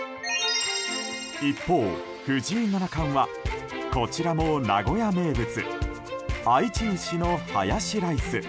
一方、藤井七冠はこちらも名古屋名物あいち牛のハヤシライス。